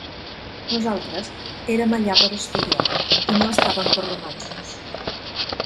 Nosaltres érem allà per a estudiar i no estàvem per romanços.